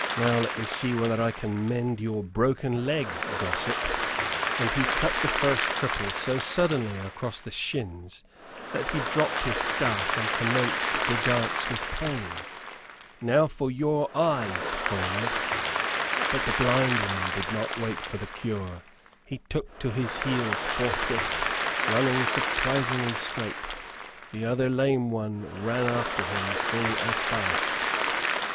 "Now let me see whether I can mend your broken leg, gossip," and he cut the first cripple so suddenly across the shins that he dropped his staff and commenced to dance with pain. "Now for your eyes, friend." But the blind one did not wait for the cure. He took to his heels forthwith, running surprisingly straight. The other lame one ran after him full as fast.